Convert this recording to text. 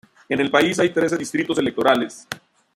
En el país hay trece distritos electorales.